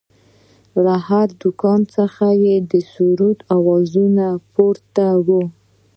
له هر دوکان څخه د سروذ اواز پورته و.